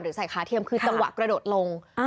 ใส่ขาเทียมคือจังหวะกระโดดลง